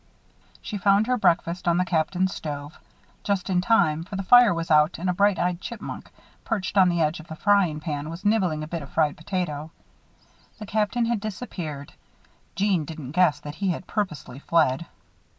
She found her breakfast on the Captain's stove. Just in time, for the fire was out and a bright eyed chipmunk, perched on the edge of the frying pan, was nibbling a bit of fried potato. The Captain had disappeared. Jeanne didn't guess that he had purposely fled.